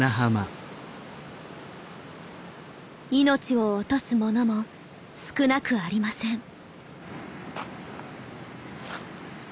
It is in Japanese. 命を落とすものも少なくありません。